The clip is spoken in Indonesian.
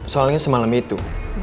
soalnya semalam itu